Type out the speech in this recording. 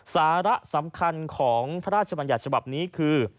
สาระสำคัญของพระราชบัญญัติฉบับนี้คือ